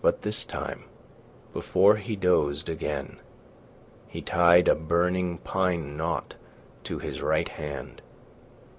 But this time, before he dozed again, he tied a burning pine knot to his right hand.